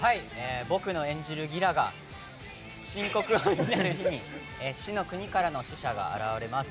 僕が演じるギラが新国王になる日に死の国からの使者が現れます。